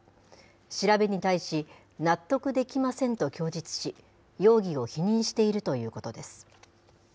調べに対し、納得できませんと供述し、容疑を否認しているということです。